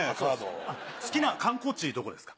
好きな観光地どこですか？